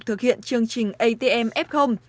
thực hiện chương trình atm f